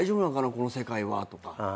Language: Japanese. この世界はとか。